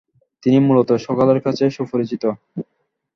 তিনি মূলত সকলের কাছে সুপরিচিত।